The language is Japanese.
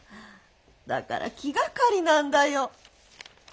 だから気がかりなんだよ。